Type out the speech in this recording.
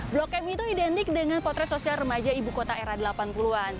blok m itu identik dengan potret sosial remaja ibu kota era delapan puluh an